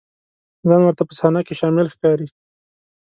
ځان ورته په صحنه کې شامل ښکاري.